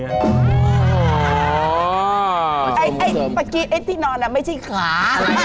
เมื่อกี้ไอ้ที่นอนไม่ใช่ขา